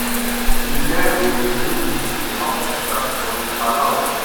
Ngerulmud ist die Hauptstadt von Palau.